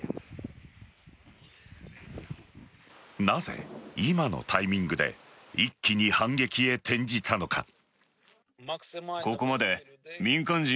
なぜ、今のタイミングで一気に反撃へ転じたのか。